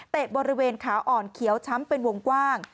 บริเวณขาอ่อนเขียวช้ำเป็นวงกว้าง